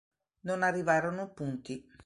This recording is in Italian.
Non arrivarono punti.